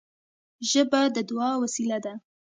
ژبه د دعا وسیله ده